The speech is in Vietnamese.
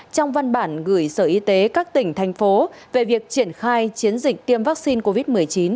trong văn bản gửi sở y tế các tỉnh thành phố về việc triển khai chiến dịch tiêm vaccine covid một mươi chín